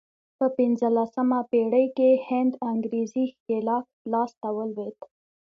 په پنځلسمه پېړۍ کې هند انګرېزي ښکېلاک لاس ته ولوېد.